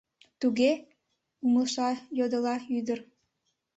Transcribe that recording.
Туге? — умылышыла йодылда ӱдыр.